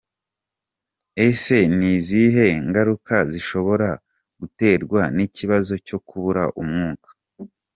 Ese ni izihe ngaruka zishobora guterwa n’ikibazo cyo kubura umwuka?.